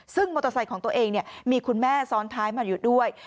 ซึ่งมอเตอร์ไซค์ของตัวเองมีคุณแม่ซ้อนท้ายมาอยู่ด้วย